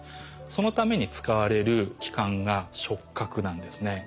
そのために使われる器官が触角なんですね。